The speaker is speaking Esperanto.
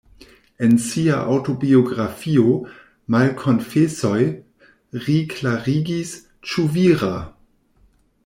En sia aŭtobiografio, "Malkonfesoj", ri klarigis, “Ĉu vira?